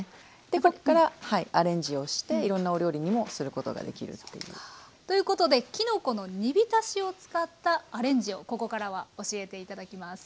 でここからアレンジをしていろんなお料理にもすることができる。ということできのこの煮びたしを使ったアレンジをここからは教えて頂きます。